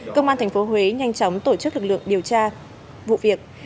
công an tp huế nhanh chóng tổ chức lực lượng điều tra vụ việc